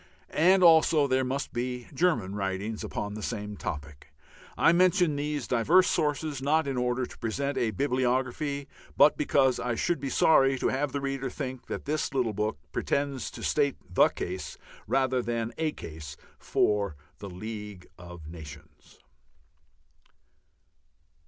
And also there must be German writings upon this same topic. I mention these diverse sources not in order to present a bibliography, but because I should be sorry to have the reader think that this little book pretends to state the case rather than a case for the League of Nations.